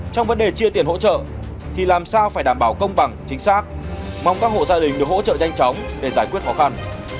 trong vấn đề chia tiền hỗ trợ thì làm sao phải đảm bảo công bằng chính xác mong các hộ gia đình được hỗ trợ nhanh chóng để giải quyết khó khăn